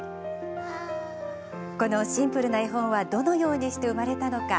このシンプルな絵本はどのようにして生まれたのか。